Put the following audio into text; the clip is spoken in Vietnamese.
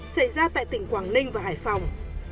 xảy ra tại tỉnh quảng ninh và hải phòng